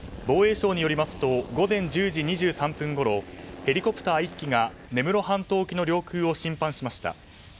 防衛省によりますと午前１０時２３分ごろヘリコプター１機が根室半島沖の領空を侵犯しました。